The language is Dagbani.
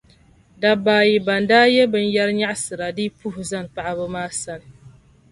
dobba ayi bɛn daa ye binyɛr’ nyɛlisira dii puhi zani paɣiba maa sani.